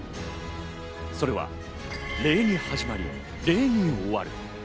それは礼に始まり、礼に終わる。